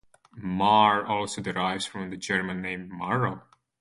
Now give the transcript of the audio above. Marr also derives from the German name Marro.